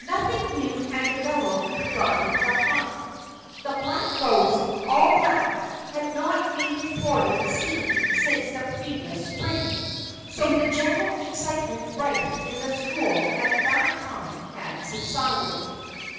Nothing new had developed regarding the haunt. The "black ghost all black" had not been reported seen since the previous spring. So the general excitement rife in the school at that time had subsided.